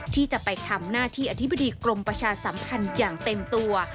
ที่จะไปทำหน้าที่อธิบดีกรมประชาสัมพันธ์อย่างเต็มตัว